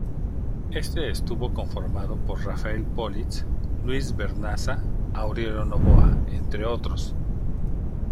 Este estuvo conformado por Rafael Pólit, Luis Vernaza, Aurelio Noboa, entre otros.